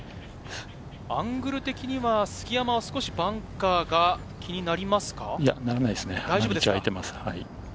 アングル的には杉山は少しバンカーがならないですね。